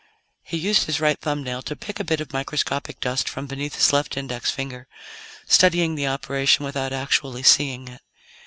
He used his right thumbnail to pick a bit of microscopic dust from beneath his left index finger, studying the operation without actually seeing it.